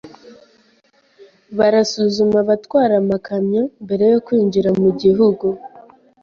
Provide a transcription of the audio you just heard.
barasuzuma abatwara amakamyo mbere yo kwinjira mu gihugu.